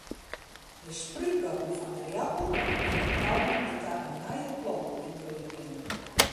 De sprútgatten fan in ierappel binne knoppen dy't ta in nije plant útgroeie kinne.